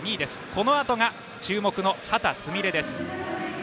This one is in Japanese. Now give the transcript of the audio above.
このあとが注目の秦澄美鈴です。